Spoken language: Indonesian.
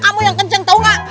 kamu yang kenceng tahu nggak